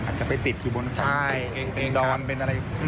อาจจะไปติดอยู่บนตรงนั้น